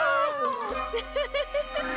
ウフフフフ。